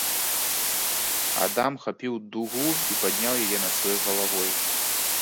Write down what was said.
Адам хапіў дугу і падняў яе над сваёй галавой.